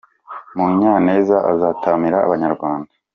munyaneza azataramira Abanyarwanda